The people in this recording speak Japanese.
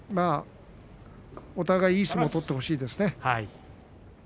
お互いいい相撲を取ってほしいですね。